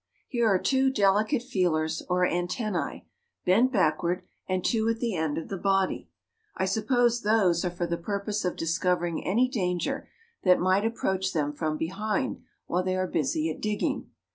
Here are two delicate feelers, or antennæ, bent backward, and two at the end of the body. I suppose those are for the purpose of discovering any danger that might approach them from behind while they are busy at digging.